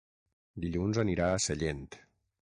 Dilluns anirà a Sellent.